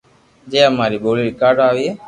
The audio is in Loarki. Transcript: جي اما ري ٻولي رآڪارڌ آئيئي